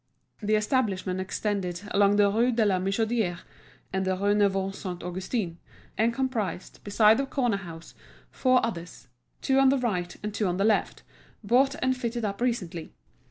The establishment extended along the Rue de la Michodière and the Rue Neuve Saint Augustin, and comprised, beside the corner house, four others—two on the right and two on the left, bought and fitted up recently.